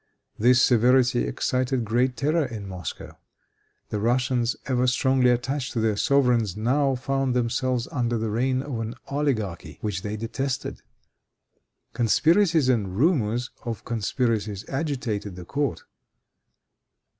This severity excited great terror in Moscow. The Russians, ever strongly attached to their sovereigns, now found themselves under the reign of an oligarchy which they detested. Conspiracies and rumors of conspiracies agitated the court.